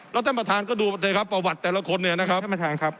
แล้วท่านประธานก็ดูไปเถอะครับประวัติแต่ละคนเนี่ยนะครับท่านประธานครับ